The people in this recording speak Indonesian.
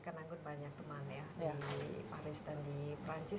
karena aku banyak teman ya di paris dan di perancis